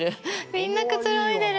みんな、くつろいでる。